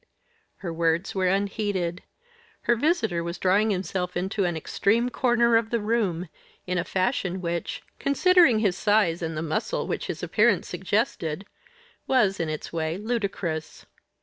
Her words were unheeded. Her visitor was drawing himself into an extreme corner of the room, in a fashion which, considering his size and the muscle which his appearance suggested, was, in its way, ludicrous.